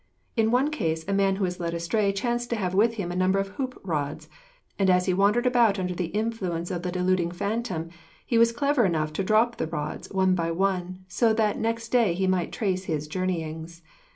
In one case, a man who was led astray chanced to have with him a number of hoop rods, and as he wandered about under the influence of the deluding phantom, he was clever enough to drop the rods one by one, so that next day he might trace his journeyings.